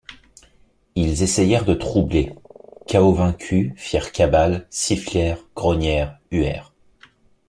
Ils essayèrent de troubler Chaos vaincu, firent cabale, sifflèrent, grognèrent, huèrent.